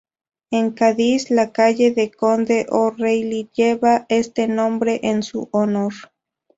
En Cádiz, la calle del Conde O´Reilly lleva este nombre en su honor.